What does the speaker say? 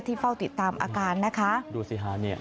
ที่เฝ้าติดตามอาการนะดูสิคะนี่